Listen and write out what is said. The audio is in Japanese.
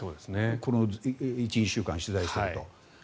この１２週間取材をしていると。